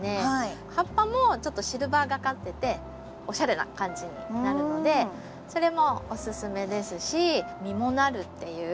葉っぱもちょっとシルバーがかってておしゃれな感じになるのでそれもおすすめですし実もなるっていう。